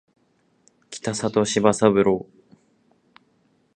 北里柴三郎